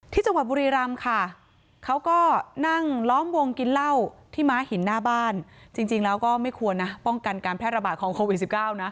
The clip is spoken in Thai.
ที่จังหวัดบุรีรำค่ะเขาก็นั่งล้อมวงกินเหล้าที่ม้าหินหน้าบ้านจริงแล้วก็ไม่ควรนะป้องกันการแพร่ระบาดของโควิด๑๙นะ